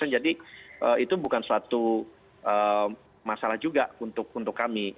jadi itu bukan suatu masalah juga untuk kami